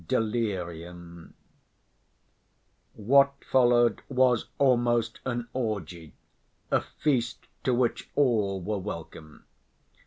Delirium What followed was almost an orgy, a feast to which all were welcome.